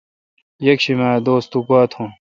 یکشم اے° دوس تو گوا تھون۔